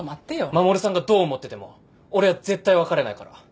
衛さんがどう思ってても俺は絶対別れないから。